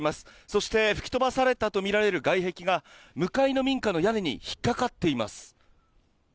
そして吹き飛ばされたとみられる外壁が向かいの民家の屋根に引っかかっています。